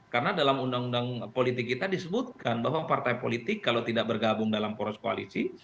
karena dalam undang undang politik kita disebutkan bahwa partai politik kalau tidak bergabung dalam poros koalisi